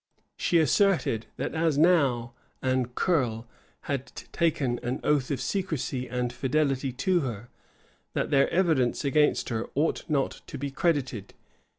[*] She asserted, that as Nau and Curle had taken an oath of secrecy and fidelity to her, their evidence against her ought not to be credited.